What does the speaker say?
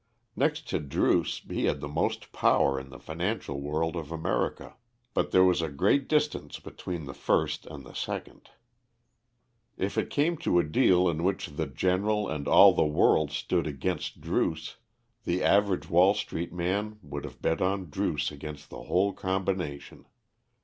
Next to Druce he had the most power in the financial world of America, but there was a great distance between the first and the second. If it came to a deal in which the General and all the world stood against Druce, the average Wall Street man would have bet on Druce against the whole combination.